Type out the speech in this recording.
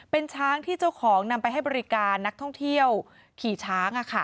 เป็นช้างที่เจ้าของนำไปให้บริการนักท่องเที่ยวขี่ช้าง